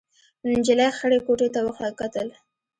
نجلۍ خړې کوټې ته وکتل.